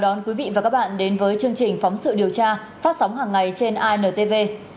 đón quý vị và các bạn đến với chương trình phóng sự điều tra phát sóng hàng ngày trên intv